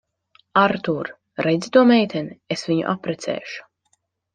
Artūr, redzi to meiteni? Es viņu apprecēšu.